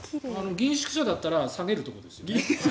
議員宿舎だったら下げるところですよね。